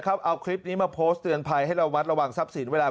เอาคลิปนี้มาโพสต์เตือนภัยให้เราวัดระวังทรัพย์สินเวลา